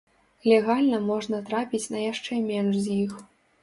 Легальна можна трапіць на яшчэ менш з іх.